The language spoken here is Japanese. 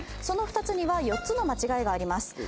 その２つには４つの間違いがあります。